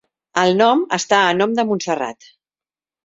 El nom està a nom de Montserrat.